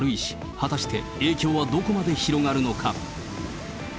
果たして影響はどこまで広がるのか。